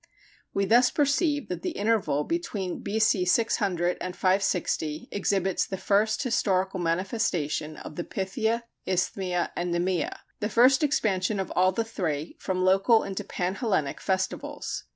We thus perceive that the interval between B.C. 600 560, exhibits the first historical manifestation of the Pythia, Isthmia, and Nemea the first expansion of all the three from local into pan Hellenic festivals.